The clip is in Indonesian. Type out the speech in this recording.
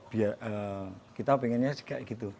biar kita pengennya kayak gitu